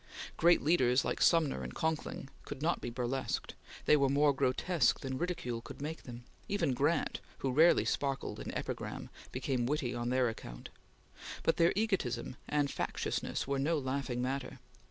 Great leaders, like Sumner and Conkling, could not be burlesqued; they were more grotesque than ridicule could make them; even Grant, who rarely sparkled in epigram, became witty on their account; but their egotism and factiousness were no laughing matter.